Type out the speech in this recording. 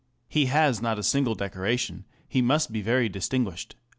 He has not a single decoration : he must be very distinguished."